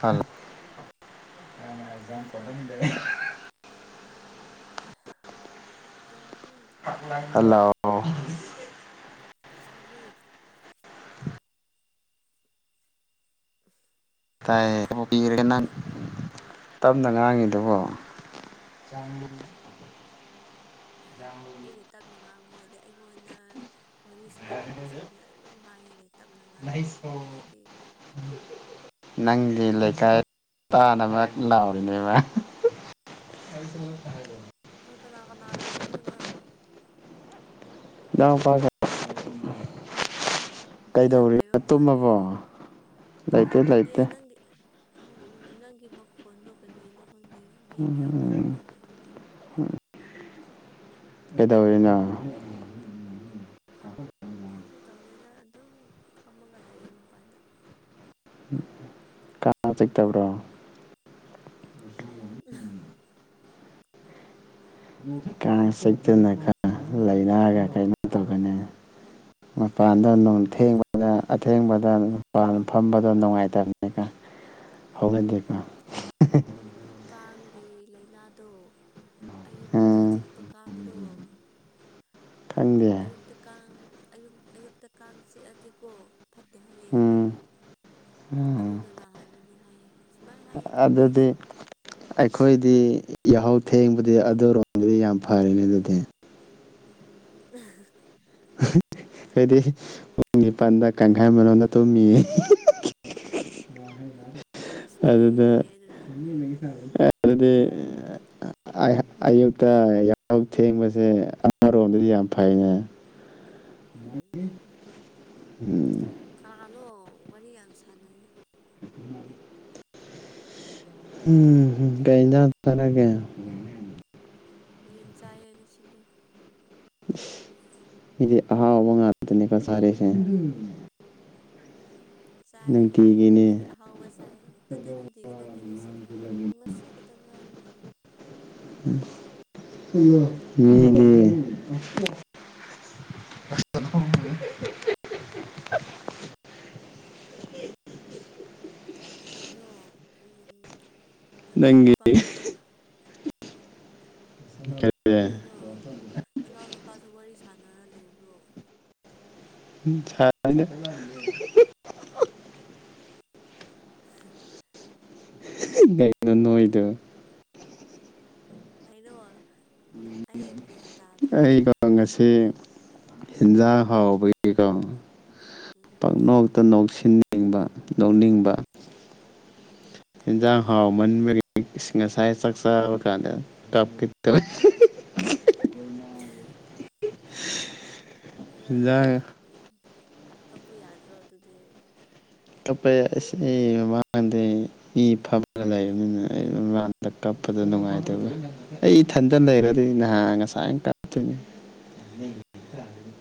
Hello [inaudible] ꯗꯩꯅꯣ hello ꯇꯥꯕ꯭ꯔꯣ ꯇꯥꯏꯌꯦ [unintelligible] ꯇꯞꯅ ꯉꯥꯡꯉꯤꯗꯨꯕꯣ ꯑꯩꯅ ꯇꯞꯅ ꯉꯥꯡꯕꯅꯗꯤ ꯑꯩꯉꯣꯟꯗ ꯋꯥꯔꯤ ꯁꯥꯟꯅꯕꯁꯤꯡꯁꯦ ꯑꯗꯨꯝ ꯍꯥꯏꯌꯦꯅꯦ ꯇꯞꯅ ꯉꯥꯡꯉꯦ ꯍꯥꯏꯌꯦ ꯑꯩꯗꯤ ꯅꯪꯒꯤ ꯂꯩꯀꯥꯏ ꯇꯥꯅꯃꯛ ꯂꯥꯎꯔꯤꯅꯦꯕ [inaudible] ꯍꯣꯏ ꯀꯅꯥ ꯀꯅꯥ ꯂꯩꯔꯤꯅꯣ ꯅꯪ ꯏꯅꯥꯎ ꯅꯨꯄꯥꯒ ꯃꯤ ꯌꯥꯝ ꯀꯩꯗꯧꯔꯤꯕ ꯂꯩꯕ ꯇꯨꯝꯃꯕꯣ ꯂꯩꯇꯦꯗ꯫ ꯑꯦ ꯅꯪꯒꯤ ꯎꯝ ꯅꯪꯒꯤ ꯃꯈꯣꯟꯗꯣ ꯀꯩꯀꯩꯅꯣ ꯈꯪꯗꯦ꯫ ꯃꯤ ꯃꯌꯥꯝ ꯂꯩꯕ ꯎꯝ ꯃꯥꯜꯂꯦ꯫ ꯀꯩꯗꯧꯔꯤꯅꯣ ꯀꯩꯁꯨ ꯇꯧꯗꯦꯗ ꯑꯗꯨꯝ ꯐꯝꯃꯒ ꯂꯩꯌꯦ ꯃꯄꯥꯟꯗ꯫ ꯀꯥꯡ ꯆꯤꯛꯇꯕ꯭ꯔꯣ [unintelligible] ꯀꯥꯡ ꯆꯤꯛꯇꯅꯒ ꯂꯩꯅꯒ ꯀꯩꯅꯣ ꯇꯧꯒꯅꯤ꯫ ꯃꯄꯥꯟꯗ ꯅꯣꯡ ꯊꯦꯡꯕꯗ ꯑꯊꯦꯡꯕꯗ ꯃꯄꯥꯟ ꯐꯝꯕꯗꯣ ꯅꯨꯡꯉꯥꯏ ꯇꯝꯅꯤꯀ‌ꯣ꯫ ꯀꯥꯡꯒꯤ ꯂꯩꯩꯅꯥꯗꯣ꯫ ꯑꯌꯨꯛꯇ ꯎꯝ ꯆꯤꯛꯄ ꯀꯥꯡꯗꯣ꯫ ꯐꯪꯗꯦ ꯑꯌꯨꯛꯇ ꯀꯥꯡ ꯑꯌꯨꯛ ꯑꯌꯨꯛꯇ ꯀꯥꯡ ꯆꯤꯛ ꯑꯗꯤꯀꯣ ꯐꯠꯇꯦ ꯍꯥꯏꯌꯦ꯫ ꯎꯝ ꯎꯝ ꯑꯗꯨꯅ ꯅꯥꯍꯟꯕꯅꯤ ꯍꯥꯏꯌꯦ꯫ ꯁꯨꯃꯥꯏꯅ ꯍꯥꯏꯌꯦ ꯈꯪꯗꯦ ꯑꯗꯨꯗꯤ꯫ ꯑꯩꯁꯨ ꯑꯩꯈꯣꯏꯗꯤ ꯌꯥꯍꯧ ꯊꯦꯡꯕꯗꯤ ꯑꯗꯨꯔꯣꯝ ꯒꯤꯗꯤ ꯌꯥꯝ ꯐꯔꯦꯅꯦ ꯗꯨꯗꯤ꯫ [unintelligible] ꯈ‌ꯣꯏꯗꯤ ꯄꯨꯡ ꯅꯤꯄꯥꯟꯗ ꯀꯪꯒꯟ ꯃꯅꯨꯡꯗ ꯇꯨꯝꯃꯤ꯫ ꯑꯁ ꯑꯗꯨꯗ ꯊꯦꯡꯉꯤꯅꯦ ꯑꯗꯨꯗꯤ ꯑꯗꯨꯗꯤ ꯑꯥꯏꯍ ꯑꯌꯨꯛꯇ ꯌꯥꯍꯧ ꯊꯦꯡꯕꯖ‌ꯦ ꯑꯃꯥꯔꯣꯝꯗꯗꯤ ꯌꯥꯝ ꯐꯩꯅꯦ꯫ [unintelligible] [unintelligible] ꯀꯅꯣ ꯋꯥꯔꯤ ꯌꯥꯝ ꯁꯥꯟꯅꯩꯩꯅ꯫ [unintelligible] ꯀꯩ ꯏꯟꯖꯥꯡ ꯆꯥꯔꯒꯦ꯫ ꯌꯦꯟ ꯆꯥꯏꯌꯦ ꯉꯁꯤꯗꯤ꯫ ꯃꯤꯗꯤ ꯑꯍꯥꯎꯕ ꯉꯥꯛꯇꯅꯤꯀꯣ ꯆꯥꯔꯤꯁꯦ꯫ ꯆꯥꯏꯌꯦ ꯅꯨꯡꯇꯤꯒꯤꯅꯤ ꯑꯈꯣꯏꯗꯤ ꯑꯍꯥꯎꯕ ꯆꯥꯏꯌꯦ ꯅꯠꯇꯦ ꯅꯨꯡꯇꯤꯒꯤ ꯅꯠꯇꯦ ꯉꯁꯤ ꯉꯁꯤ ꯈꯇꯪ ꯉꯥꯏꯔꯦ꯫ [unintelligible] ꯃꯤꯗꯤ ꯀꯩꯅꯣ ꯎꯝ ꯅꯅꯥꯎ ꯅꯪꯒꯤ ꯅꯨꯄꯥꯖꯨ ꯀꯔꯤ ꯀꯩꯅꯣ ꯅꯅꯥꯎ ꯅꯨꯄꯥꯖꯨ ꯋꯥꯔꯤ ꯁꯥꯅꯔ ꯂꯩꯕ꯭ꯔꯣ꯫ ꯍꯨꯝ ꯁꯅꯗ‌ꯦ [unintelligible] ꯀꯩꯅꯣ ꯅꯣꯏꯗꯨ꯫ ꯀꯩꯅꯣ ꯑꯩ ꯒ꯭ꯌꯥꯟ ꯇꯥꯗ꯭ꯔꯦ ꯑꯩꯀꯣ ꯉꯁꯤ ꯍꯤꯟꯖꯥꯡ ꯍꯥꯎꯕꯒꯤꯀꯣ꯫ ꯎꯝ ꯄꯪ ꯅ‌ꯣꯛꯇ ꯅ‌ꯣꯛꯁꯤꯟ ꯅꯤꯡꯕ ꯅꯣꯛꯅꯤꯡꯕ꯫ ꯍꯤꯟꯖꯥꯡ ꯍꯥꯎꯃꯟꯕꯒꯤ ꯏꯁ ꯉꯁꯥꯏ ꯆꯛ ꯆꯥꯕ ꯀꯥꯟꯗ꯫ ꯀꯞꯀꯦ ꯇꯧꯋ‌ꯦ꯫ ꯈꯔ ꯍꯤꯟꯖꯥꯡ ꯀꯞꯄꯨ ꯌꯥꯗ꯭ꯔꯣ ꯑꯗꯨꯗꯤ꯫ ꯀꯞꯄ‌ꯦ ꯑꯁꯤ ꯃꯃꯥ ꯃꯥꯟꯗ‌ꯦ꯫ ꯃꯤ ꯐꯝꯂ ꯂꯩꯕꯅꯤꯅ ꯑꯩ ꯏꯅꯥꯛꯇ ꯀꯞꯄꯗ ꯅꯨꯡꯉꯥꯏꯇꯕ꯫ ꯑꯩ ꯏꯊꯟꯗ ꯂꯩꯔꯗꯤ ꯅꯍꯥꯟ ꯉꯁꯥꯏꯇ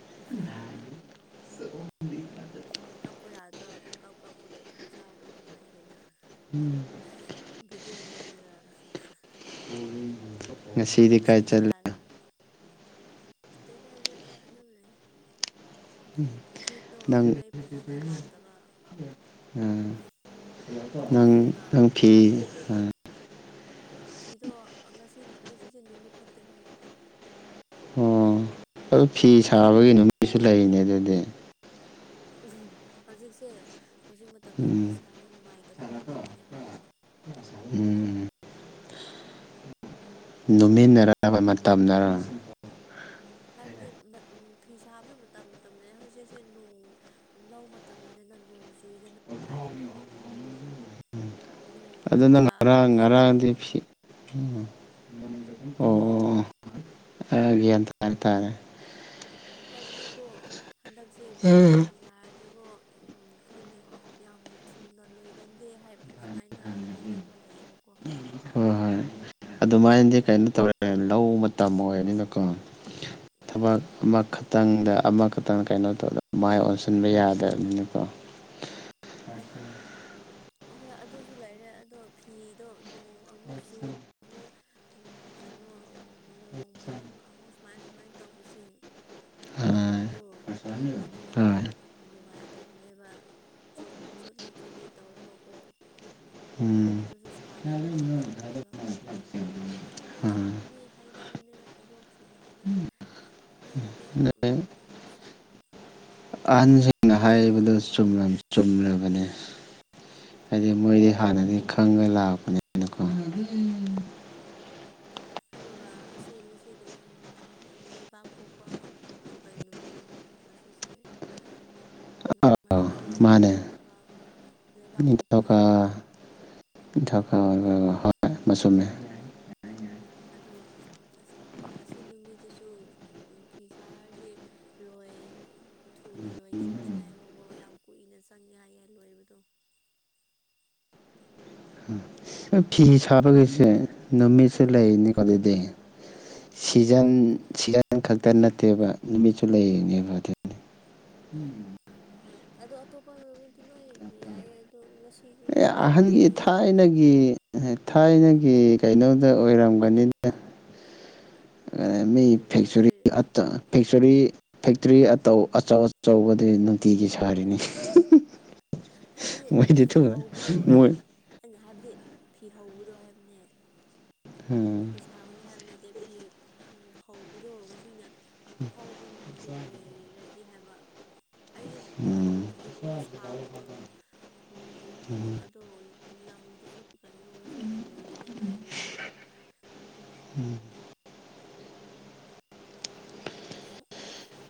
[unintelligible] ꯀꯞꯄꯨ ꯌꯥꯗ꯭ꯔꯣ ꯑꯗꯨꯝ ꯀꯞ ꯀꯞꯄꯒ ꯑꯗꯨꯝ ꯆꯥꯕꯗ ꯅꯨꯡꯉꯥꯏꯀꯩꯅꯣ꯫ ꯎꯝ ꯕꯤꯗꯤꯑꯣ ꯅꯝꯃꯒ [unintelligible] ꯉꯁꯤꯗꯤ ꯀꯥꯏ ꯏꯁꯩ ꯆꯠꯂꯤ ꯁꯛꯑꯒ [unintelligible] ꯑꯗꯨꯝ ꯂꯩ ꯉꯁꯤꯗꯣ ꯃꯩ ꯐꯖꯅ ꯂꯥꯛꯇꯕ ꯑ ꯅꯪ ꯑꯗꯨꯒ ꯅꯪ ꯐꯤ ꯑ ꯑꯣ ꯐꯤꯗꯣ ꯉꯁꯤ ꯉꯁꯤꯁꯦ ꯅꯨꯃꯤꯠ ꯐꯠꯇꯦ ꯍꯥꯏꯌꯦ ꯑꯣ ꯑꯗꯨ ꯐꯤ ꯁꯥꯕꯒꯤ ꯅꯨꯃꯤꯁꯨ ꯂꯩꯅꯦ ꯑꯗꯨꯗꯤ꯫ ꯎ [unintelligible] ꯍꯧꯖꯤꯛꯁꯦ ꯍꯧꯖꯤꯛ ꯃꯇꯝꯁꯦ ꯐꯤ ꯎꯝ ꯁꯥꯕ ꯅꯨꯡꯉꯥꯏꯇꯕ ꯃꯇꯝꯅꯤꯅꯦꯕꯀꯣ꯫ ꯎꯝ ꯅꯨꯨꯃꯤꯠꯅꯔꯕ ꯃꯇꯝꯅꯔ ꯍꯥꯏꯕꯗꯤ ꯎꯝ ꯐꯤ ꯁꯥꯕꯁꯦ ꯃꯇꯝ ꯃꯇꯝ ꯂꯩꯌꯦ ꯍꯧꯖꯤꯛꯁꯦ ꯅꯣꯡ ꯂꯧ ꯃꯇꯝꯅꯤꯗꯅ ꯅꯣꯡ ꯆꯨꯏꯗꯅ ꯅꯣꯡ ꯈꯔ ꯑꯗꯨ ꯅꯪ ꯈꯔ ꯉꯔꯥꯡ ꯑꯃꯨꯛ ꯆꯨ꯫ ꯉꯔꯥꯡꯗꯤ ꯐꯤ ꯀꯩꯅꯣ꯫ ꯑꯩ ꯒꯌꯥꯟ ꯇꯔꯦ ꯇꯔꯦ꯫ ꯍꯥꯏꯕꯗꯤꯀꯣ ꯍꯟꯗꯛꯁꯦ ꯐꯤ ꯍꯣꯏ ꯐꯤ ꯁꯥꯔꯗꯤꯕꯣ ꯎꯝ ꯈꯪꯗꯦ꯫ ꯌꯥꯝ ꯊꯨꯅ ꯂꯣꯏꯒꯟꯗꯦ ꯍꯥꯏ ꯁꯨꯃꯥꯏꯅ ꯍꯥꯏꯅꯕ ꯂꯩꯌꯦꯕꯀꯣ꯫ ꯍꯣꯏ ꯍꯣꯏ ꯑꯗꯨꯃꯥꯏꯅꯗꯤ ꯀꯩꯅꯣ ꯇꯧꯔꯦ ꯂꯧ ꯃꯇꯝ ꯑꯣꯏꯔꯅꯤꯅꯀꯣ꯫ ꯊꯕꯛ ꯎꯝ ꯑꯃꯈꯛ ꯇꯪꯗ ꯑꯃꯈꯛꯇꯪ ꯀꯩꯅꯣ ꯇꯧꯗ ꯃꯥꯏ ꯑꯣꯟꯁꯤꯟꯕ ꯌꯥꯗꯕꯅꯤꯅꯀꯣ꯫ ꯑꯍꯣꯏ ꯑꯗꯨꯁꯨ ꯂꯩꯔꯦ ꯑꯗꯣ ꯐꯤꯗꯣ ꯅꯣꯡ ꯑꯃꯨꯛ ꯆꯨ ꯑꯃꯨꯛ ꯎꯝ ꯀꯩꯅꯣ ꯅꯣꯡ ꯃꯪ ꯑꯃꯨꯛ ꯁꯨꯃꯥꯏ ꯁꯨꯃꯥꯏꯅ ꯇꯧꯕꯁꯤ ꯂꯪꯗꯣ ꯍꯣꯏ ꯑꯗꯨꯁꯨ ꯍꯣꯏ ꯅꯨꯡꯉꯥꯏꯇꯕꯅꯦꯕ ꯆꯣꯠ ꯆꯣꯠꯂꯤ ꯆꯣꯠꯂꯤ ꯇꯧꯔꯒꯀꯣ ꯎꯝ ꯑꯗꯨꯁꯨ ꯁꯥꯕ ꯅꯨꯡꯉꯥꯏꯇꯕꯅꯦꯕ ꯃꯇꯝ ꯈꯪꯗꯦꯗ ꯃꯤ ꯍꯥꯏꯅꯕꯅꯤꯅ ꯏꯕꯣꯛꯁꯤꯡꯅ ꯍꯥꯏꯅꯕꯅꯤ ꯑꯈꯣꯏꯅꯗꯤ ꯎꯝ ꯑꯍꯟꯖꯤꯡꯅ ꯍꯥꯏꯕꯗꯨ ꯆꯨꯝꯔꯝ ꯆꯨꯝꯔꯕꯅꯤ ꯍꯥꯏꯗꯤ ꯃꯣꯏꯗꯤ ꯍꯥꯟꯅꯗꯤ ꯈꯪꯉ ꯂꯥꯛꯄꯅꯦꯅ ꯀꯣ [unintelligible] ꯎꯝ ꯑꯗꯨꯒ ꯑꯁꯤ ꯉꯁꯤ ꯀꯩꯅꯣ ꯅꯤꯡꯊꯧꯀꯥꯕ ꯂꯩꯕꯥꯛ ꯄꯣꯛꯄ ꯀꯩ ꯅꯨꯃꯤꯠꯅꯣ ꯉꯁꯤꯁꯦ ꯅꯣ ꯑꯥꯎ ꯃꯥꯏꯖꯤꯡ ꯃꯥꯅꯦ ꯅꯤꯡꯊꯧꯀꯕ ꯂꯩꯕꯥꯛꯄꯣꯛꯄ ꯅꯤꯡꯊꯧꯀꯕ [unintelligible] ꯕ ꯆꯨꯝꯃꯦ ꯑꯗꯣ ꯑꯁꯤ ꯑꯁꯤ ꯅꯨꯃꯤꯠꯇꯁꯨ ꯐꯤ ꯁꯥꯔꯗꯤ ꯂꯣꯏ ꯊꯨꯅ ꯂꯣꯏꯒꯟꯗꯦ ꯍꯥꯏꯕꯀꯣ ꯌꯥꯝ ꯀꯨꯏꯅ ꯆꯪꯉꯦ ꯍꯥꯏꯌꯦ ꯂꯣꯏꯕꯗꯣ ꯎꯝ [unintelligible] ꯅꯣꯏ ꯐꯤ ꯁꯥꯕꯒꯤꯁꯦ ꯅꯨꯃꯤꯠꯁꯦ ꯂꯩꯅꯤꯀꯣ ꯑꯗꯨꯗꯤ ꯎꯝ ꯁꯤꯖꯟ ꯁꯤꯖꯟ ꯈꯛꯇ ꯎꯝ ꯅꯠꯇꯦꯕ ꯅꯨꯃꯤꯠꯁꯨ ꯂꯩꯔꯤꯅꯦꯕ ꯑꯗꯨꯗꯤ ꯎꯝ ꯍꯣꯏ ꯑꯗꯣ ꯑꯇꯣꯞꯄ ꯅꯨꯃꯤꯠꯇꯤ ꯂꯣꯏ ꯌꯥꯏꯌꯦ ꯑꯗꯣ ꯉꯁꯤꯗꯤ ꯌꯥꯗꯦꯕ ꯍꯥꯏꯌꯦ ꯏꯅꯒꯤ ꯊꯥꯏꯅꯒꯤ ꯀꯩꯅꯣꯗ ꯑꯣꯏꯔꯝꯒꯅꯤꯗ ꯑ ꯃꯤ ꯐꯦꯛꯆꯔꯤ ꯍꯣꯏ ꯑꯇꯥ ꯐꯦꯛꯆꯔꯤ ꯐꯦꯛꯇꯣꯔꯤ ꯑꯇꯧ ꯑꯆꯧ ꯑꯆꯧꯕꯗꯤ ꯅꯨꯡꯇꯤꯒꯤ ꯁꯥꯔꯤꯅꯤ ꯍꯥꯏꯕꯗꯤ ꯃꯣꯏꯗꯤ ꯐꯤ ꯊꯨꯅ ꯍꯧꯕꯗꯣ ꯃꯣꯏ ꯑꯩꯅ ꯑꯩꯅ ꯍꯥꯏꯕꯗꯤ ꯐꯤ ꯍꯧꯕꯗꯣ ꯍꯥꯏꯕꯅꯦ ꯍꯝ ꯊꯥꯒꯅꯨ ꯍꯥꯏꯕ ꯅꯠꯇꯦ ꯐꯤ ꯍꯧꯕꯗꯣ ꯉꯁꯤꯅ ꯑꯍꯧꯕ ꯅꯨꯃꯤꯠ ꯑꯣꯏꯔꯗꯤ ꯍꯥꯏꯕ ꯑꯩꯒꯤ ꯎꯝ ꯍꯧꯗ꯭ꯔꯤꯕꯀꯣ ꯁꯥꯕꯗꯣ ꯍꯧꯗ꯭ꯔꯤꯕ ꯑꯗꯣ ꯂꯪꯗꯨꯁꯨ ꯀꯩꯅꯣ ꯉꯁꯤꯅ ꯂꯣꯏꯕꯗ ꯉꯥꯏꯔꯤꯕ ꯑ ꯎꯝ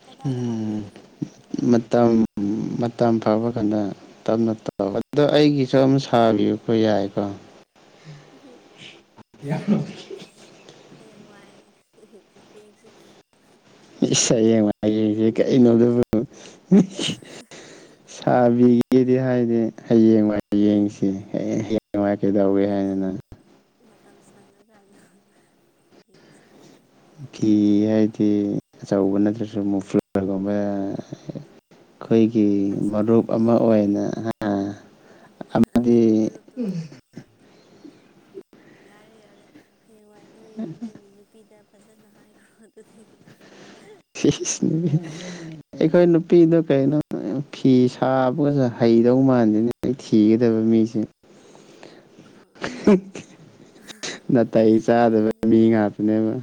ꯀꯗꯥꯏꯗ ꯎꯝ ꯍꯧꯗꯣꯏꯅꯣꯁꯨ ꯈꯪꯗꯦ ꯃꯇꯝ ꯎꯝ ꯃꯇꯝ ꯐꯥꯕ ꯀꯥꯟꯗ ꯇꯞꯅ ꯇꯧ ꯑꯗꯣ ꯑꯩꯒꯤꯁꯨ ꯑꯃ ꯁꯥꯕꯤꯌꯨꯀꯣ ꯌꯥꯏꯀꯣ [unintelligible] ꯍꯌꯦꯡ ꯋꯥꯏ ꯌꯦꯡꯁꯤ ꯏꯁ ꯍꯌꯦꯡ ꯋꯥꯏ ꯌꯦꯡꯁꯦ ꯀꯩꯅꯣ ꯑꯗꯨꯕꯨ ꯁꯕꯤꯒꯦ ꯗꯤ ꯍꯥꯏꯗꯦ ꯍꯌꯦꯡ ꯋꯥꯏ ꯌꯦꯡꯁꯦ ꯍꯌꯦꯡ ꯋꯥꯏ ꯃꯇꯝ ꯃꯇꯝ ꯁꯪꯉꯀꯥꯟꯗꯣ ꯌꯦꯡꯁꯦ ꯐꯤ ꯍꯥꯏꯗꯤ ꯑꯆꯧꯕ ꯅꯠꯇ꯭ꯔꯁꯨ ꯃꯨꯐ꯭ꯂꯔꯒꯨꯝꯕ ꯑꯈꯣꯏꯒꯤ ꯑꯁ ꯃꯔꯨꯞ ꯑꯃ ꯑꯗꯨꯗꯤ ꯑꯣꯏꯅ ꯍꯥ ꯅꯪꯒꯤ ꯃꯔꯨꯞꯇꯣ ꯌꯥꯔꯦ ꯌꯥꯔꯦ ꯍꯌꯦꯡꯋꯥꯏ ꯅꯣꯏ ꯅꯪꯒꯤ ꯅꯨꯄꯤꯗ ꯐꯖꯅ ꯍꯥꯏꯈ꯭ꯔꯣ ꯑꯗꯨꯗꯤ [unintelligible] ꯑꯩꯈꯣꯏ ꯅꯨꯄꯤꯗꯣ ꯀꯩꯅꯣ ꯐꯤ ꯁꯥꯕꯒꯁꯨ ꯍꯩꯗꯧ ꯃꯥꯟꯗꯦꯅꯦ ꯑꯩ ꯊꯤꯒꯗꯕ ꯃꯤꯁꯦ [unintelligible] [unintelligible] ꯅꯥꯇꯩ ꯆꯥꯗꯕ ꯃꯤ ꯉꯥꯛꯇꯅꯦꯕ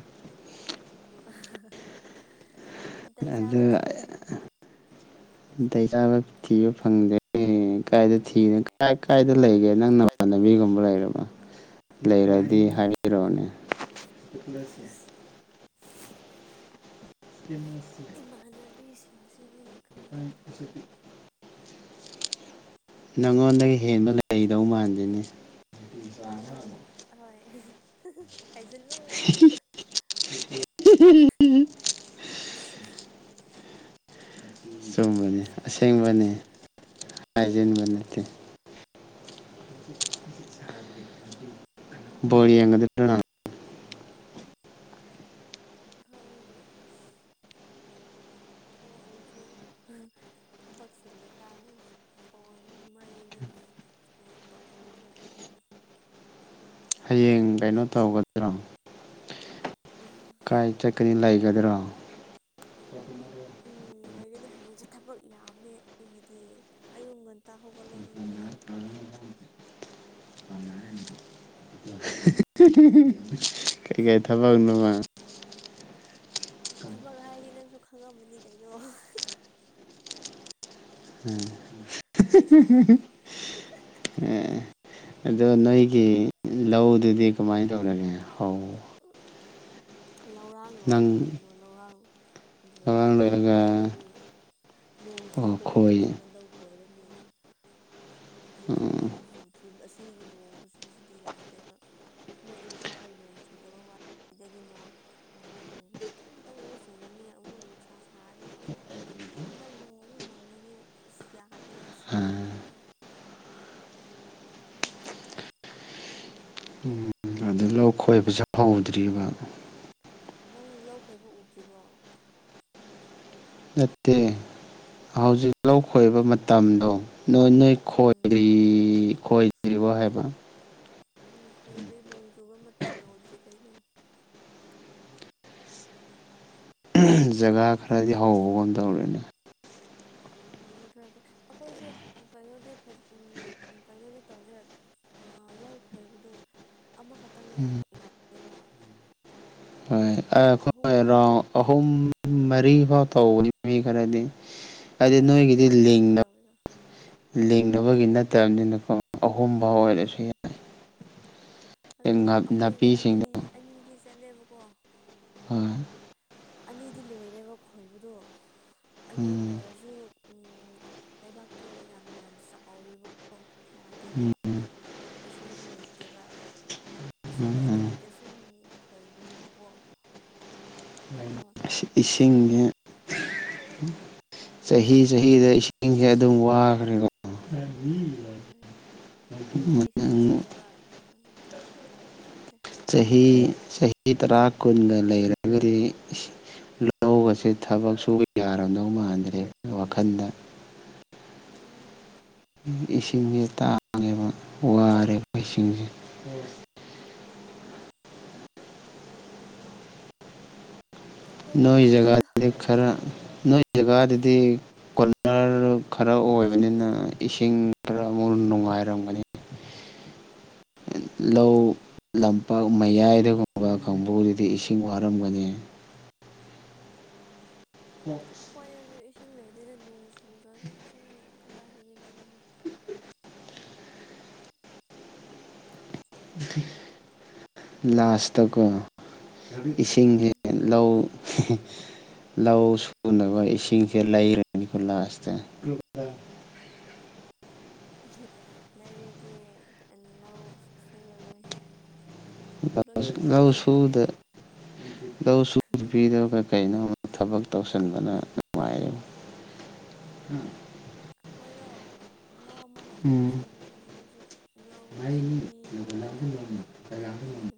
ꯅꯥꯇꯩ ꯑꯗꯨ ꯆꯥꯕ ꯊꯤꯌꯨꯍꯦ ꯅꯥꯇꯩ ꯆꯥꯕ ꯊꯤꯕ ꯐꯪꯗ꯭ꯔꯦ ꯀꯥꯏꯗ ꯊꯤꯅ ꯀꯥꯏ ꯀꯥꯏꯗ ꯂꯩꯒꯦ ꯅꯪ ꯀꯥꯏꯗ ꯅꯃꯥꯟꯅꯕꯤꯒꯨꯝꯕ ꯂꯩꯔꯕ ꯂꯩꯔꯗꯤ ꯍꯥꯏꯕꯤꯔꯛꯑꯣꯅꯦ ꯏꯁ ꯇꯤꯝꯁ ꯏꯃꯥꯟꯅꯕꯤꯁꯤꯡꯁꯤꯗꯤ ꯈꯪꯗꯦꯅꯦ [unintelligible] ꯅꯉꯣꯟꯗꯩ ꯍꯦꯟꯕ ꯂꯩꯗꯧ ꯃꯥꯟꯗꯦꯅꯦ ꯎꯝ ꯍꯣꯏ ꯍꯥꯏꯖꯤꯜꯂꯨ [unintelligible] ꯆꯨꯝꯕꯅꯤ ꯑꯁ ꯈꯪꯗ꯭ꯔꯦꯗ ꯑꯁꯦꯡꯕꯅꯤ ꯍꯥꯏꯖꯤꯟꯕ ꯅꯠꯇꯦ [unintelligible] ꯕꯣꯜ ꯌꯦꯡꯉꯗꯨꯏꯔ ꯈꯪꯗꯦ ꯑꯁ ꯐꯣꯟꯁꯨ ꯊꯕꯛ ꯆꯤꯜꯂꯤꯀꯥꯟ ꯐꯣꯟꯁꯨ ꯃꯩꯁꯨ ꯀꯩꯅꯣ ꯇꯧꯍꯧꯗ꯭ꯔꯕ ꯑꯩꯗꯣ꯫ ꯎꯝ ꯀꯩꯅꯣ ꯇꯧꯒꯗ꯭ꯔꯣ? ꯎꯝ ꯀꯥꯏ ꯆꯠꯀꯅꯤ ꯂꯩꯒꯗ꯭ꯔꯣ? [inaudible] ꯎꯝ ꯂꯩꯒꯅꯤ ꯍꯌꯦꯡꯁꯦ ꯊꯕꯛ ꯌꯥꯝꯃꯦ ꯑꯩꯒꯤꯗꯤ꯫ ꯑꯌꯨꯛ ꯉꯟꯇ ꯍꯧꯒꯜꯂꯣ ꯅꯪꯁꯨ꯫ ꯀꯩꯀꯩ ꯊꯕꯛꯅꯣꯅ? ꯊꯕꯛ ꯍꯥꯏꯔꯗꯤ ꯅꯪꯁꯨ ꯈꯪꯉꯝꯃꯅꯤ ꯀꯩꯅꯣ꯫ ꯎꯝ ꯋꯥꯔꯤ ꯁꯥꯥꯁꯦ꯫ ꯑꯦ ꯑꯗꯣ ꯅꯣꯏꯒꯤ ꯂꯧꯗꯨꯗꯤ ꯀꯃꯥꯏꯅ ꯇꯧꯔꯒꯦ ꯍꯧ ꯂꯧꯔꯥꯡ ꯅꯪ ꯂꯣꯏꯔꯦ ꯀꯩꯅꯣ ꯂꯧꯔꯥꯡ ꯂꯣꯏꯔꯦ ꯂꯧꯔꯥꯡ ꯂꯧ ꯂꯣꯏꯔꯒ ꯈꯣꯏꯔꯅꯤ꯫ ꯅꯣꯡ ꯑꯣ ꯆꯨꯕ ꯈꯣꯏ ꯃꯇꯝꯗ ꯂꯧ ꯈꯣꯏꯔꯅꯤ ꯍꯧꯖꯤꯛꯇꯤ ꯅꯣꯡꯁꯨ ꯆꯨꯗ꯭ꯔꯤ ꯑꯁꯤꯒꯤ ꯅꯣꯡ ꯈꯨꯨꯆꯨꯁꯤꯗꯤ ꯌꯥꯗꯦꯕ꯫ ꯅꯣꯏ ꯏꯝꯐꯥꯜꯗ ꯅꯣꯡ ꯆꯨꯗꯕ ꯋꯥꯅꯤ ꯁꯤꯗꯗꯤ ꯅꯣꯡ ꯎꯝ ꯈꯤꯇꯪ ꯈꯤꯇꯪ ꯑꯃꯨꯛ ꯆꯨꯔꯅꯤ ꯑꯃꯨꯛ ꯅꯨꯡꯁꯥ ꯁꯥꯔꯅꯤ ꯑꯃꯨꯛ ꯈꯤꯇꯪ ꯈꯤꯇꯪ ꯅꯣꯡ ꯑꯃꯨꯛ ꯃꯪꯉꯅꯤ ꯑꯁ ꯌꯥꯗꯦꯕ ꯁꯤ꯫ ꯑꯥ ꯑꯈꯣꯏꯕ ꯄꯩꯁꯥ ꯐꯪꯍꯧꯗ꯭ꯔꯤꯕ꯫ ꯅꯪ ꯂꯧ ꯈꯣꯏꯕ ꯎꯗ꯭ꯔꯤꯕꯣ? ꯅꯠꯇꯦ ꯍꯧꯖꯤꯛ ꯂꯧ ꯈꯣꯏꯕ ꯃꯇꯝꯗꯣ, ꯅꯣꯏ ꯅꯣꯏ ꯎꯝ ꯈꯣꯏꯗ꯭ꯔꯤ ꯈꯣꯏꯗ꯭ꯔꯤꯕꯣ ꯍꯥꯏꯕ? ꯎꯝ ꯈꯣꯏꯗ꯭ꯔꯤ ꯅꯣꯡꯖꯨꯕ ꯃꯇꯝ ꯌꯧꯗ꯭ꯔꯤ ꯀꯩꯅꯣ꯫ ꯖꯒꯥ ꯈꯔꯗꯤ ꯍꯧꯕꯒꯨꯝ ꯇꯧꯔꯦꯅꯦ꯫ ꯎꯝ ꯃꯤ ꯈꯔꯗꯤ ꯑꯈꯣꯏꯁꯨ ꯀꯩꯅꯣꯗꯤ ꯐꯖ ꯀꯩꯅꯣꯗꯤ ꯇꯧꯗ꯭ꯔꯦ꯫ ꯑꯥ ꯂꯧ ꯈꯣꯏꯕꯗꯣ ꯑꯃꯈꯛꯇꯪꯅ ꯎꯝ ꯌꯥꯗꯦꯕ꯫ ꯑꯍꯨꯝ ꯑꯈꯣꯏ ꯔꯥꯎ ꯑꯍꯨꯝ ꯃꯔꯤ ꯐꯥꯎ ꯇꯧꯕꯅꯤ ꯃꯤ ꯈꯔꯗꯤ꯫ ꯍꯥꯏꯗꯤ ꯍꯣꯏ ꯑꯍꯨꯝ ꯅꯣꯏꯒꯤꯗꯤ ꯃꯔꯤ ꯁꯨꯃꯥꯏꯅ ꯂꯤꯡꯅꯥ ꯇꯧꯋꯦꯕ ꯂꯤꯡꯅꯕꯒꯤ ꯅꯠꯇꯝꯅꯤꯅ ꯀꯣ ꯑꯍꯨꯝꯕꯥꯎ ꯑꯣꯏꯔꯁꯨ ꯎꯝ ꯌꯥꯏ꯫ ꯑꯗꯣ ꯑꯈꯣꯏꯗꯤ ꯑꯅꯤ ꯅꯥꯄꯤꯁꯤꯡꯗꯣ ꯑꯅꯤꯗꯤ ꯆꯠꯂꯦꯕꯀꯣ꯫ ꯍꯣꯏ꯫ ꯑꯅꯤꯗꯤ ꯂꯣꯏꯔꯦꯕ ꯈꯣꯏꯕꯗꯣ ꯑꯅꯤ ꯎꯝ ꯂꯣꯏꯔꯁꯨ, ꯂꯩꯕꯥꯛꯇꯣ ꯌꯥꯝ ꯌꯥꯝ ꯆꯥꯎꯔꯤꯕꯀꯣ ꯌꯥꯗꯦꯕ꯫ ꯎꯝ ꯏꯁꯤꯡꯁꯨ ꯂꯩꯇꯦꯕ꯫ ꯏꯁꯤꯡ ꯎꯝ ꯂꯩꯇꯕꯤꯗ ꯁꯨꯝ ꯈꯣꯏꯕꯅꯦꯕꯀꯣ꯫ ꯑꯗꯣ, ꯑꯁꯤ ꯏꯁꯤꯡꯁꯦ ꯆꯍꯤ ꯆꯍꯤꯗ ꯏꯁꯤꯡ ꯏꯁꯤꯡꯁꯦ ꯑꯗꯨꯝ ꯋꯥꯈ꯭ꯔꯦꯀꯣ꯫ ꯍꯣꯏ ꯍꯧꯖꯤꯛꯁꯨ ꯏꯁꯤꯡ ꯂꯩꯇꯦꯕ ꯈꯪꯗꯦ꯫ ꯆꯍꯤ ꯆꯍꯤ ꯇꯔꯥ ꯀꯨꯟꯒ ꯂꯩꯔꯒꯗꯤ ꯂꯧꯒꯁꯦ ꯊꯕꯛ ꯁꯨꯕ ꯌꯥꯔꯝꯗꯧ ꯃꯥꯟꯗ꯭ꯔꯦ ꯋꯥꯈꯟꯗ꯫ ꯎꯝ ꯏꯁꯤꯡꯁꯦ ꯇꯥꯡꯉꯦꯕ ꯋꯥꯔꯦꯕ ꯏꯁꯤꯡꯁꯦ꯫ ꯅꯣꯏ ꯈꯪꯗ꯭ꯔꯦꯗ ꯖꯒꯥꯗꯗꯤ ꯈꯔ ꯅꯣꯏ ꯖꯒꯥꯗꯗꯤ [unintelligible] ꯈꯔ ꯑꯣꯏꯕꯅꯤꯅ ꯏꯁꯤꯡ ꯈꯔ ꯑꯃꯨꯛ ꯅꯨꯡꯉꯥꯏꯔꯝꯒꯅꯤ [inaudible] ꯂꯧ ꯂꯝꯄꯥꯛ ꯃꯌꯥꯏꯗꯒꯨꯝꯕ ꯀꯥꯡꯕꯨꯗꯨꯗꯤ ꯏꯁꯤꯡ ꯋꯥꯔꯝꯒꯅꯤ [inaudible] ꯑꯩꯈꯣꯏꯗꯖꯨ ꯏꯁꯤꯡ ꯂꯩꯗꯦꯗ ꯅꯣꯡ ꯆꯨꯗ꯭ꯔꯗꯤ ꯏꯁꯤꯡ ꯀꯗꯥꯏꯗꯒꯤ ꯂꯧꯒꯅꯤ ꯆꯨꯝꯗ꯭ꯔꯣ ꯂꯥꯁꯇꯀꯣ ꯏꯁꯤꯡ ꯎꯝ [inaudible] ꯂꯧ ꯂꯧ ꯁꯨꯅꯕ ꯏꯁꯤꯡꯁꯦ ꯂꯩꯔꯅꯤꯀꯣ ꯂꯥꯁꯇ ꯂꯩꯔꯗꯤ ꯂꯧ ꯁꯨꯔꯔꯣꯏ ꯂꯣꯏ ꯂꯧ ꯌꯣꯟꯊꯣꯛꯑꯁꯨ ꯌꯥꯔꯦ ꯁꯨꯗ ꯂꯧ ꯁꯨꯗꯕꯤꯗ ꯀꯀꯩꯅꯣ ꯊꯕꯛ ꯇꯧꯁꯤꯟꯕꯅ ꯅꯨꯡꯉꯥꯏꯔꯦ [inaudible] ꯑꯈꯣꯏꯗꯣ ꯂꯧ ꯑꯃꯈꯇꯪꯅꯤ ꯎꯝ ꯁꯨꯕꯖꯨ ꯍꯟꯗꯛꯁꯨ ꯂꯧ ꯑꯅꯤ ꯂꯧ ꯑꯍꯨꯝ ꯂꯩꯕ